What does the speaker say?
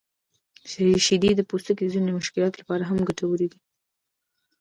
شیدې د پوستکي د ځینو مشکلاتو لپاره هم ګټورې دي.